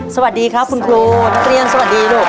สวัสดีครับคุณครูนักเรียนสวัสดีลูก